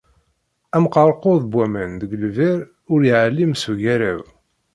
Amqerqur n waman deg lbir ur yeεlim s ugaraw.